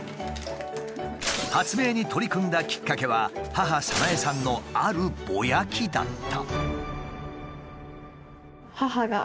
発明に取り組んだきっかけは母・早苗さんのあるボヤきだった。